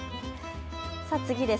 次です。